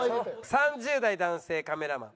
３０代男性カメラマン。